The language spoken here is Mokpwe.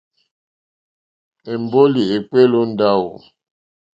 Èmbólì èkpéélì ó ndáwò.